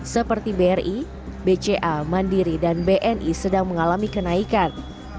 seperti bri bca mandiri dan bni sedang mengalami kenaikan